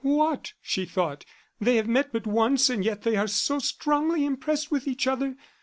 "What!" she thought; "they have met but once, and yet they are so strongly impressed with each other.